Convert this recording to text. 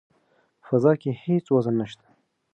په فضا کې هیڅ وزن نشته.